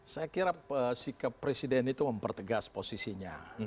saya kira sikap presiden itu mempertegas posisinya